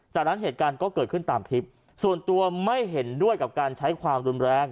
จากนั้นเหตุการณ์ก็เกิดขึ้นตามคลิปส่วนตัวไม่เห็นด้วยกับการใช้ความรุนแรง